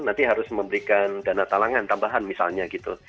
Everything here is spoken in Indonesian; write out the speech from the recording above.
nanti harus memberikan dana talangan tambahan misalnya gitu